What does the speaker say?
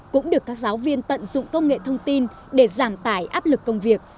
cũng được các giáo viên tận dụng công nghệ thông tin để giảm tải áp lực công việc